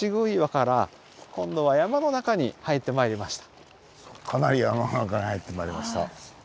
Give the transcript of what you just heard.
かなり山の中に入ってまいりました。